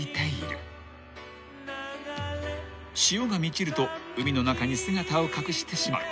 ［潮が満ちると海の中に姿を隠してしまう］